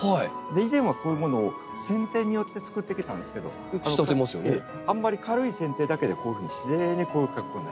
以前はこういうものを剪定によってつくってきたんですけど軽い剪定だけでこういうふうに自然にこういう格好になります。